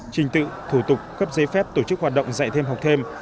trình tự thủ tục cấp giấy phép tổ chức hoạt động dạy thêm học thêm